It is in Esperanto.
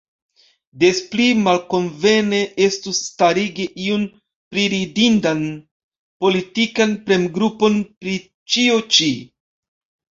Des pli malkonvene estus starigi iun priridindan politikan premgrupon pri ĉio ĉi.